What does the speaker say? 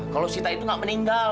kalau sita itu nggak meninggal